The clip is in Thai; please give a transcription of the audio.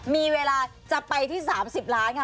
มีเวลาจะไปที่๓๐ล้านค่ะ